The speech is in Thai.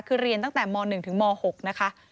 คือเรียนตั้งแต่ม๑ถึงม๖นะคะ